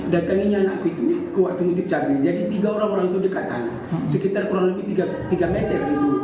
datangin anakku itu waktu mengutip cabai jadi tiga orang orang itu dekatan sekitar kurang lebih tiga meter itu